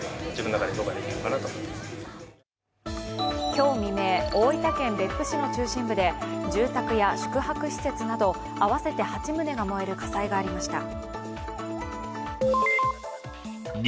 今日未明、大分県別府市の中心部で住宅や宿泊施設など合わせて８棟が燃える火災がありました。